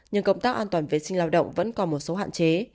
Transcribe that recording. nhưng công tác an toàn vệ sinh lao động vẫn còn một số hạn chế